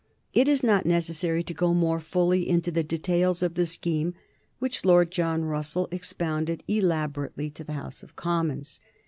It is not necessary to go more fully into the details of the scheme which Lord John Russell expounded elaborately to the House of Commons.